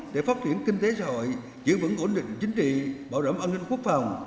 để phát triển kinh tế xã hội giữ vững ổn định chính trị bảo đảm an ninh quốc phòng